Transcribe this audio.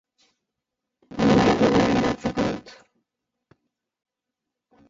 Nahi dudana idatziko dut.